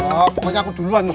pokoknya aku duluan